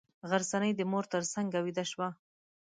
غرڅنۍ د مور تر څنګه ویده شوه.